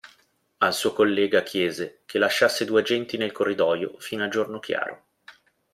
Al suo collega chiese che lasciasse due agenti nel corridoio fino a giorno chiaro.